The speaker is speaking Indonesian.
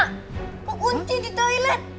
kok unti di toilet